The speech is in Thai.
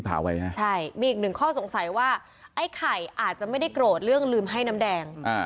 ใช่มีอีกหนึ่งข้อสงสัยว่าไอ้ไข่อาจจะไม่ได้โกรธเรื่องลืมให้น้ำแดง